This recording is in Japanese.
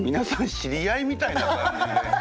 知り合いみたいな感じで。